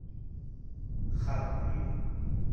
Xaḍeɣ yiwen.